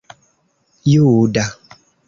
juda